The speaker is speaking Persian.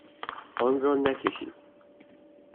آن را نکشید.